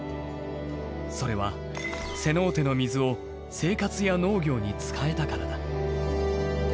それはセノーテの水を生活や農業に使えたからだ。